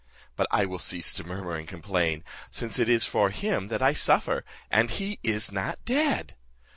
But I will cease to murmur and complain, since it is for him that I suffer, and he is not dead.